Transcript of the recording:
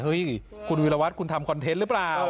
เฮ้ยคุณวิรวัตรคุณทำคอนเทนต์หรือเปล่า